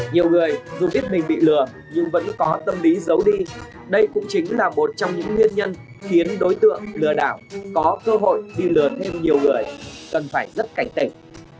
nhiều người dù biết mình bị lừa nhưng vẫn có tâm lý giấu đi đây cũng chính là một trong những nguyên nhân khiến đối tượng lừa đảo có cơ hội đi lừa thêm nhiều người cần phải rất cảnh tỉnh